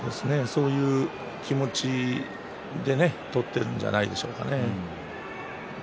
そういう気持ちで取っているんじゃないでしょうか。